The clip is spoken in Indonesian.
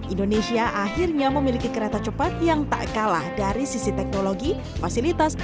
indonesia akhirnya memiliki kereta cepat yang tak kalah dari sisi teknologi fasilitas